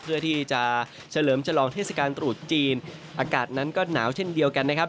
เพื่อที่จะเฉลิมฉลองเทศกาลตรุษจีนอากาศนั้นก็หนาวเช่นเดียวกันนะครับ